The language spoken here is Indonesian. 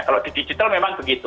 kalau di digital memang begitu